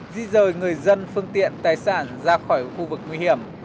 di rời người dân phương tiện tài sản ra khỏi khu vực nguy hiểm